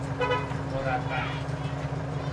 مربع